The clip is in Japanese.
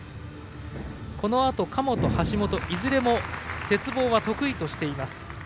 このあと神本、橋本いずれも鉄棒は得意としています。